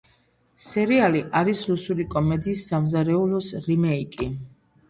სერიალი არის რუსული კომედიის „სამზარეულოს“ რიმეიკი.